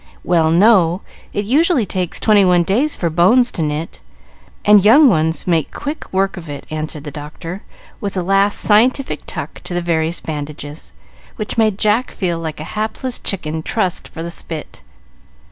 "Well, no; it usually takes twenty one days for bones to knit, and young ones make quick work of it," answered the doctor, with a last scientific tuck to the various bandages, which made Jack feel like a hapless chicken trussed for the spit.